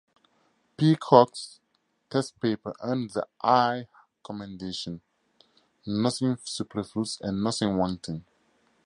Peacock's test papers earned the high commendation, Nothing superfluous and nothing wanting.